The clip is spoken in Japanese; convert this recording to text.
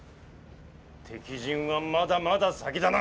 敵陣はまだまだ先だな。